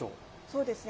そうですね。